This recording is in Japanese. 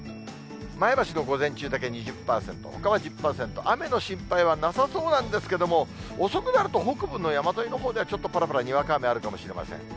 前橋の午前中だけ２０％、ほかは１０％、雨の心配はなさそうなんですけれども、遅くなると北部の山沿いのほうではちょっとぱらぱらにわか雨があるかもしれません。